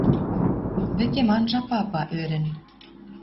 Вӹкем анжа папа, ӧрӹн